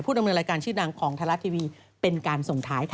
ดำเนินรายการชื่อดังของไทยรัฐทีวีเป็นการส่งท้ายค่ะ